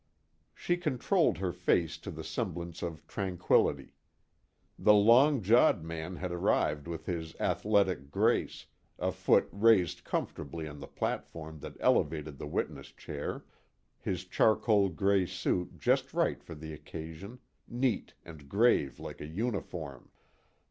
_ She controlled her face to the semblance of tranquillity. The long jawed man had arrived with his athletic grace, a foot raised comfortably on the platform that elevated the witness chair, his charcoal gray suit just right for the occasion, neat and grave like a uniform.